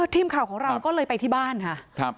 ทีมข่าวของเราก็เลยไปที่บ้านค่ะ